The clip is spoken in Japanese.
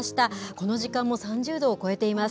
この時間も３０度を超えています。